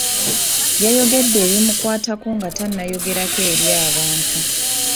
Yayogedde ebimukwatako nga tannayogerako eri abantu.